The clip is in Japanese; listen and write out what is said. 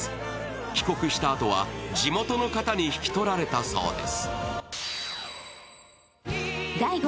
帰国したあとは地元の方に引き取られたそうです。